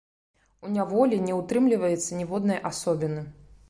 У няволі не ўтрымліваецца ніводнай асобіны.